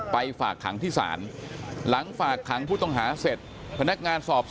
ฝากขังที่ศาลหลังฝากขังผู้ต้องหาเสร็จพนักงานสอบสวน